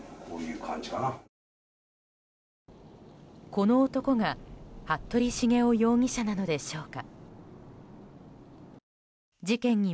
この男が服部繁雄容疑者なのでしょうか。